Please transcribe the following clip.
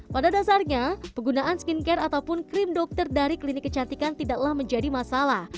pada dasarnya penggunaan skincare ataupun krim dokter dari klinik kecantikan tidaklah menjadi masalah